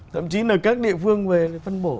thậm chí là các địa phương về phân bổ